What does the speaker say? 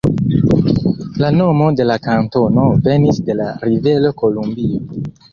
La nomo de la kantono venis de la rivero Kolumbio.